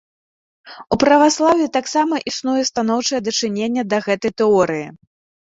У праваслаўі таксама існуе станоўчае дачыненне да гэтай тэорыі.